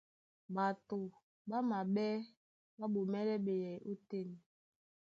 Ɓato ɓá maɓɛ́ ɓá ɓomɛ́lɛ́ ɓeyɛy ótên.